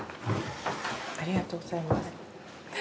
ありがとうございます。